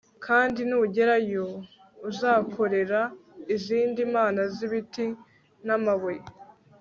kandi nugerayo uzakorera izindi mana z ibiti n amabuye